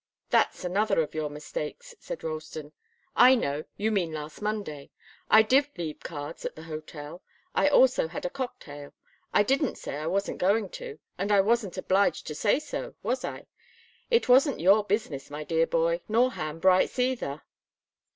"That's another of your mistakes," said Ralston. "I know you mean last Monday. I did leave cards at the hotel. I also had a cocktail. I didn't say I wasn't going to, and I wasn't obliged to say so, was I? It wasn't your business, my dear boy, nor Ham Bright's, either."